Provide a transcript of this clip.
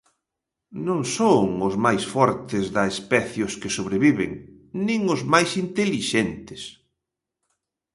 Non son os máis fortes da especie os que sobreviven, nin os máis intelixentes.